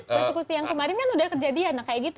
persepusi yang kemarin kan sudah kejadian kayak gitu